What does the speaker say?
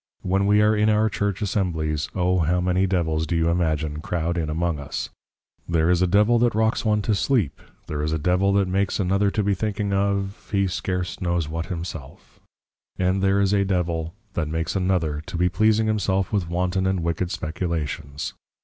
_ When we are in our Church Assemblies, O how many Devils, do you imagine, croud in among us! There is a Devil that rocks one to Sleep, there is a Devil that makes another to be thinking of, he scarce knows what himself; and there is a Devil, that makes another, to be pleasing himself with wanton and wicked Speculations.